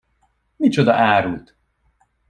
Micsoda árut?